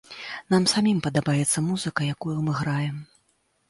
Нам самім падабаецца музыка, якую мы граем.